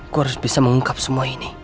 gue harus bisa mengungkap semua ini